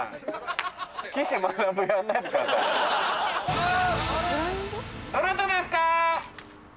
どなたですか？